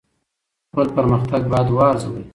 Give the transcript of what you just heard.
خپل پرمختګ باید وارزوئ.